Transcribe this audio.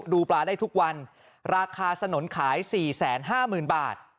ดูปลาได้ทุกวันราคาสนุนขายสี่แสนห้าหมื่นบาท